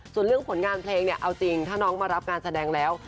ส่วนเรื่องผลงานเพลงเนี่ยเอาจริงถ้าน้องมารับงานแสดงแล้ว